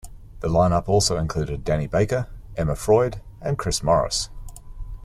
The line up also included Danny Baker, Emma Freud and Chris Morris.